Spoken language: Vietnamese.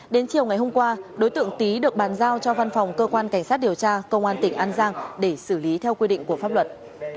đến chiều ngày hôm qua đối tượng tý được bàn giao cho văn phòng cơ quan cảnh sát điều tra công an tỉnh an giang để xử lý theo quy định của pháp luật